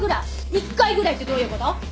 １回ぐらいってどういうこと？